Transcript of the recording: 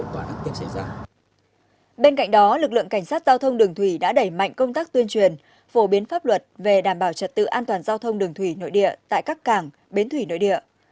bên cạnh đó lực lượng cảnh sát giao thông đường thủy đã đẩy mạnh công tác tuyên truyền phổ biến pháp luật về đảm bảo trật tự an toàn giao thông đường thủy nội địa tại các cảng bến thủy nội địa